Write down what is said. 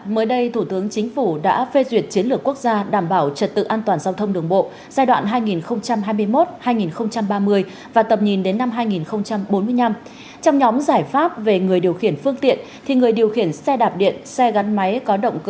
mới đây thủ tướng chính phủ đã phê duyệt chiến lược quốc gia đảm bảo trật tự an toàn giao thông đường bộ